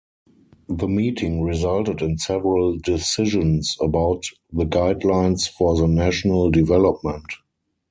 The meeting resulted in several decisions about the guidelines for the national development.